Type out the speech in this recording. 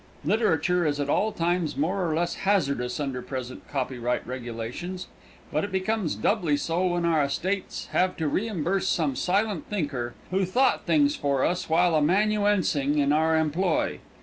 Literature is at all times more or less hazardous under present copyright regulations, but it becomes doubly so when our estates have to reimburse some silent thinker who thought things for us while amanuensing in our employ.